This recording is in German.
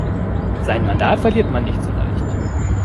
Sein Mandat verliert man nicht so leicht.